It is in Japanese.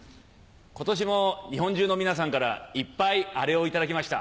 今年も日本中の皆さんからいっぱいアレを頂きました。